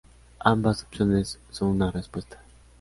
Ambas opciones son una respuesta.